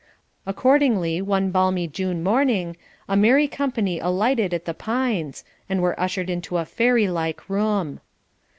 Accordingly, one balmy June morning, a merry company alighted at "The Pines," and were ushered into a fairy like room.